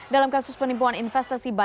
dalam kasus penipuan investasi